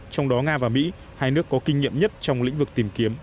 trong đó nga và mỹ hai nước có kinh nghiệm nhất trong lĩnh vực tìm kiếm